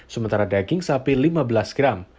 sementara daging sapi lima belas gram